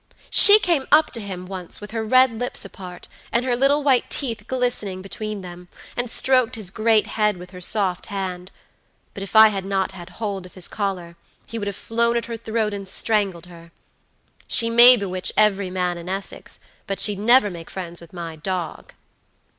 She came up to him once with her red lips apart, and her little white teeth glistening between them, and stroked his great head with her soft hand; but if I had not had hold of his collar, he would have flown at her throat and strangled her. She may bewitch every man in Essex, but she'd never make friends with my dog."